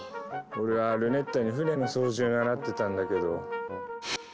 俺はルネッタに船の操縦習ってたんだけど。